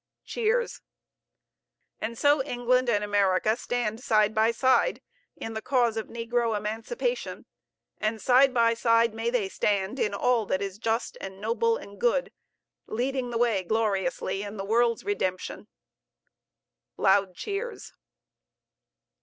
(Cheers.) And so England and America stand side by side in the cause of negro emancipation; and side by side may they stand in all that is just and noble and good, leading the way gloriously in the world's redemption. (Loud cheers.)